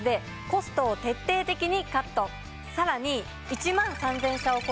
さらに。